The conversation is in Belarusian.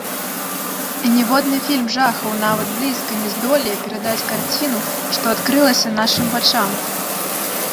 І ніводны фільм жахаў нават блізка не здолее перадаць карціну, што адкрылася нашым вачам.